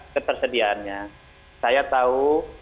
ketersediaannya saya tahu